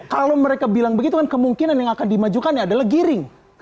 kalau mereka bilang begitu kan kemungkinan yang akan dimajukan adalah giring